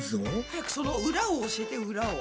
早くその裏を教えて裏を。